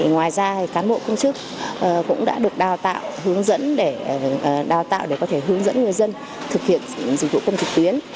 ngoài ra cán bộ công chức cũng đã được đào tạo hướng dẫn để có thể hướng dẫn người dân thực hiện dịch vụ công trực tuyến